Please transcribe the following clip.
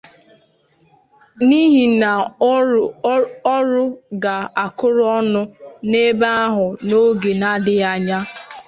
n'ihi na ọrụ ga-akụrụ ọnụ n'ebe ahụ n'oge adịghị anya.